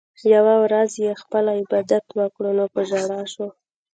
يوه ورځ چې ئې خپل عبادت وکړو نو پۀ ژړا شو